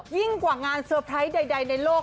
ยิ่งกว่างานเซอร์ไพรส์ใดในโลก